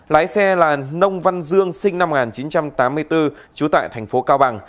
lái xe là nông văn dương sinh năm một nghìn chín trăm tám mươi bốn trú tại thành phố cao bằng